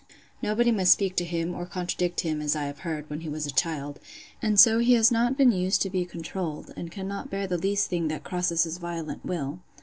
Nobody must speak to him or contradict him, as I have heard, when he was a child; and so he has not been used to be controlled, and cannot bear the least thing that crosses his violent will.